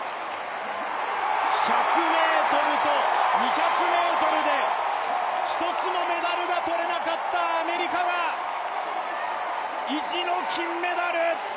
１００ｍと２００ｍで１つもメダルが取れなかったアメリカが意地の金メダル。